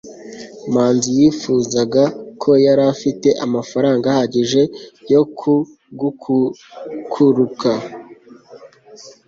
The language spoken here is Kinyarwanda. manzi yifuzaga ko yari afite amafaranga ahagije yo gukukuruka